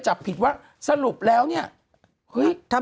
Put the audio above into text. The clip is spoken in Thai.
ฉันเซ็นเลยเอาบัตรสำเนาบัตรประชาชนอะไรมาเซ็นไว้ก่อนเลย